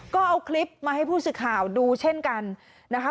ก็เอาคลิปมาให้ผู้สื่อข่าวดูเช่นกันนะคะ